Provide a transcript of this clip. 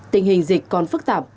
tình hình dịch còn phức tạp